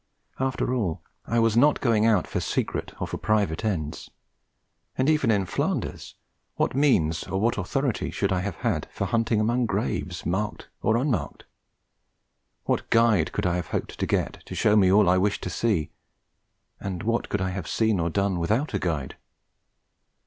After all, I was not going out for secret or for private ends; and even in Flanders, what means or what authority should I have had for hunting among graves, marked or unmarked? What guide could I have hoped to get to show me all I wished to see, and what could I have seen or done without a guide?